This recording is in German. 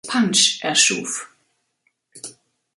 Punch" erschuf.